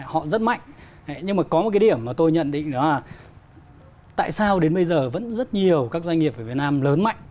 họ rất mạnh nhưng mà có một cái điểm mà tôi nhận định đó là tại sao đến bây giờ vẫn rất nhiều các doanh nghiệp ở việt nam lớn mạnh